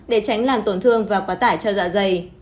để tránh làm tổn thương và quá tải cho dạ dày